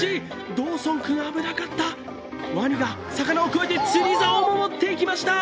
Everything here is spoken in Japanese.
ドーソン君、危なかった、ワニが魚を加えて、釣りざおを持っていきました。